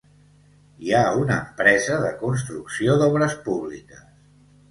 Hi ha una empresa de construcció d'obres públiques.